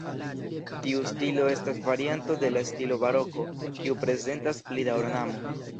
Tiu stilo estas varianto de la stilo baroko, kiu prezentas pli da ornamo.